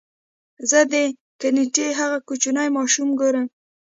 زه د کینټکي هغه کوچنی ماشوم ګورم.